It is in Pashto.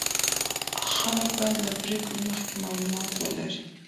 خلک باید له پریکړې مخکې معلومات ولري.